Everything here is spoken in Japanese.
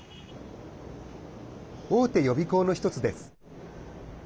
大手予備校の１つです。